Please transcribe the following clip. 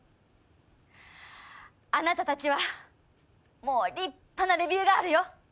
あなたたちはもう立派なレビューガールよ。